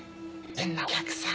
変なお客さん。